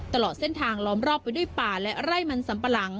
ตลอดเส้นทางล้อมรอบไปด้วยป่าและไร่มันสัมปะหลัง